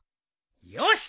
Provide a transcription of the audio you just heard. よし！